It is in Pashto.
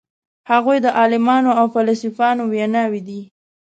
هغوی د عالمانو او فیلسوفانو ویناوی دي.